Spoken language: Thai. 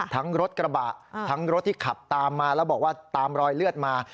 ทั้งรถกระบะทั้งรถที่ขับตามมาแล้วบอกว่าตามรอยเลือดมา